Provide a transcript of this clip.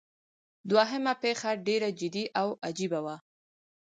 دوهمه پیښه ډیره جدي او عجیبه وه.